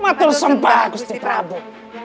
matul sembah gusti prabu